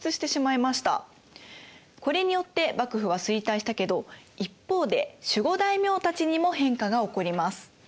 これによって幕府は衰退したけど一方で守護大名たちにも変化が起こります。